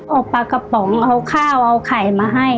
เอาปลากระป๋องเอาข้าวเอาไข่มาให้